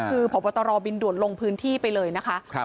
คือพบตรบินด่วนลงพื้นที่ไปเลยนะคะ